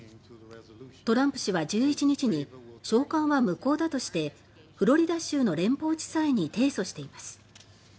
トランプ氏は１１日に召喚は無効だとしてフロリダ州の連邦地裁に提訴しています。